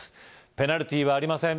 ペナルティーはありません